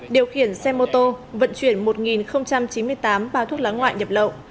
điều khiển xe mô tô vận chuyển một chín mươi tám bao thuốc lá ngoại nhập lậu